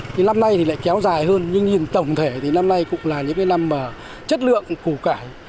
năm nay lại kéo dài hơn nhưng tổng thể thì năm nay cũng là những năm chất lượng củ cải